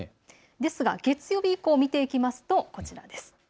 ですが月曜日以降を見ていきますとこちらです。